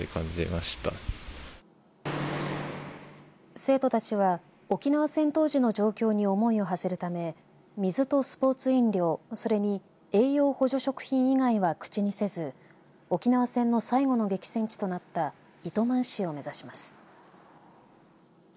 生徒たちは沖縄戦当時の状況に思いをはせるため水とスポーツ飲料それに栄養補助食品以外は口にせず沖縄戦の最後の激戦地となった糸満市を目指します。